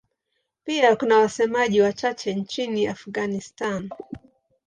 Pia kuna wasemaji wachache nchini Afghanistan.